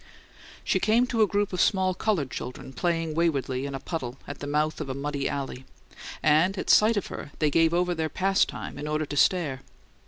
She came to a group of small coloured children playing waywardly in a puddle at the mouth of a muddy alley; and at sight of her they gave over their pastime in order to stare.